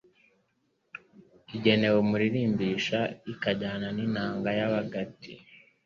Igenewe umuririmbisha ikajyana n’inanga y’Abagati